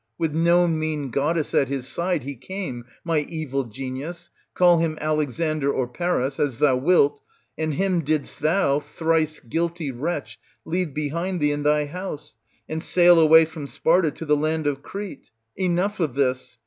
With no mean goddess at his side he came, my evil genius, call him Alexander or Paris, as thou wilt; and him didst thou, thrice guilty wretch, leave behind thee in thy house, and sail away from Sparta to the land of Crete. Enough of this